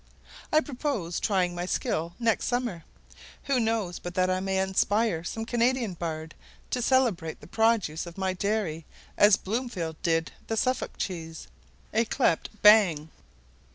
I purpose trying my skill next summer: who knows but that I may inspire some Canadian bard to celebrate the produce of my dairy as Bloomfield did the Suffolk cheese, yclept "Bang."